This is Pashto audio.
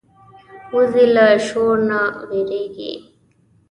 وزې له شور نه وېرېږي